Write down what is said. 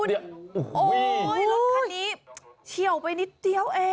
โอ้โหรถคันนี้เฉียวไปนิดเดียวเอง